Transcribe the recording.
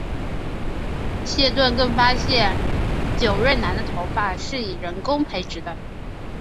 谢顿更发现久瑞南的头发是以人工培植的。